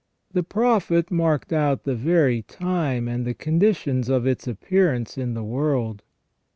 The Prophet marked out the very time and the conditions of its appearance in the world.